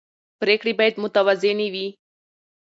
پرېکړې باید متوازنې وي